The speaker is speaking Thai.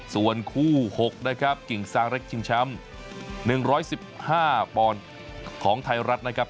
ส่วนคู่หกนะครับกิ่งสร้างเล็กชิงช้ำหนึ่งร้อยสิบห้าปอนด์ของไทยรัฐนะครับ